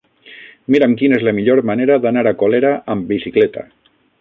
Mira'm quina és la millor manera d'anar a Colera amb bicicleta.